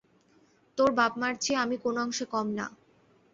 তোর বাপ-মার চেয়ে আমি কোনো অংশে কম না।